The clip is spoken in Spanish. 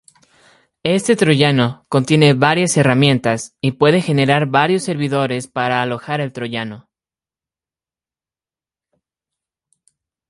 Este troyano contiene varias herramientas, y puede generar varios servidores para alojar el troyano.